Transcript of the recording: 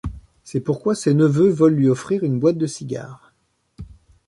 C'est pourquoi ses neveux veulent lui offrir une boîte de cigares.